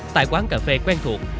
tại quán cà phê quen thuộc